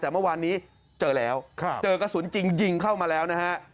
แต่เมื่อวานนี้เจอแล้วเจอกระสุนจริงยิงเข้ามาแล้วนะฮะ